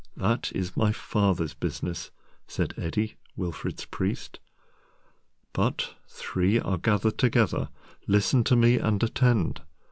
That is My Father's business,"Said Eddi, Wilfrid's priest."But—three are gathered together—Listen to me and attend.